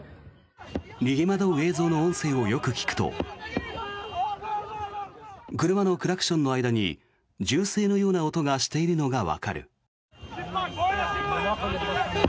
逃げ惑う映像の音声をよく聞くと車のクラクションの間に銃声のような音がしているのがわかる。